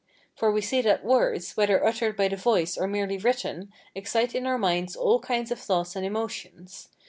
For we see that words, whether uttered by the voice or merely written, excite in our minds all kinds of thoughts and emotions.